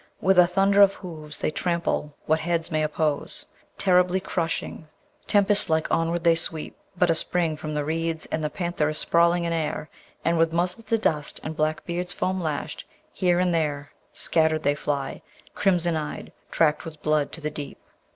With a thunder of hooves they trample what heads may oppose: Terribly, crushingly, tempest like, onward they sweep: But a spring from the reeds, and the panther is sprawling in air, And with muzzle to dust and black beards foam lash'd, here and there, Scatter'd they fly, crimson eyed, track'd with blood to the deep.